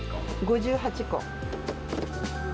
５８個。